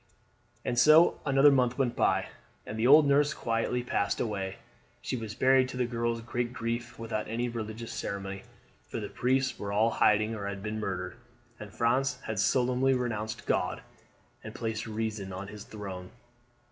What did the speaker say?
And so another month went by, and then the old nurse quietly passed away. She was buried, to the girls' great grief, without any religious ceremony, for the priests were all in hiding or had been murdered, and France had solemnly renounced God and placed Reason on His throne.